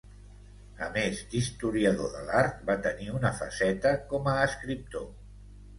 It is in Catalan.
A més d'historiador de l'art, va tenir una faceta com a escriptor.